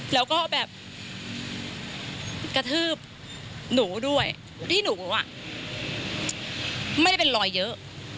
แล้วก็แบบกระทืบหนูด้วยที่หนูไม่ได้เป็นรอยเยอะ